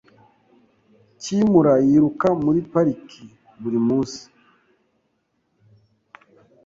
Kimura yiruka muri parike buri munsi.